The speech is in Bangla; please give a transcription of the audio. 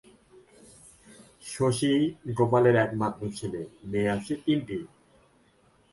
শশীই গোপালের একমাত্র ছেলে, মেয়ে আছে তিনটি।